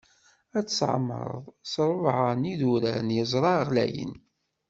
Ad tt-tɛemmreḍ s ṛebɛa n idurar n yeẓra ɣlayen.